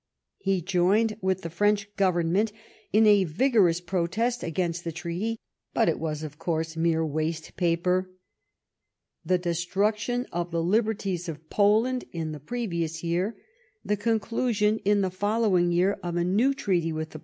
He joined with the French Government in a vigorous protest against the treaty, but it was, of course, mere waste paper. The destruction of the liberties of Poland in the previous year ; the con clusion in the following year of a new treaty with the 6 66 LIFE OF riSCOVNT PALMEB8T0N.